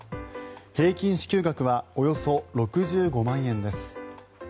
平均支給額はおよそ６５万円です。